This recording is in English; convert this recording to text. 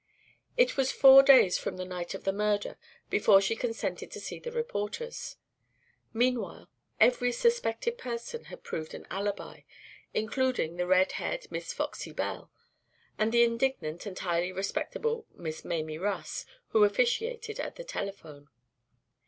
It was four days from the night of the murder before she consented to see the reporters. Meanwhile every suspected person had proved an alibi, including the red haired Miss Foxie Bell, and the indignant and highly respectable Miss Mamie Russ, who officiated at the telephone.